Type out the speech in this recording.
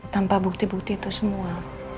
tanpa bukti bukti itu semua